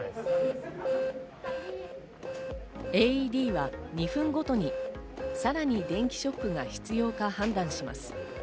ＡＥＤは２分ごとにさらに電気ショックが必要か判断します。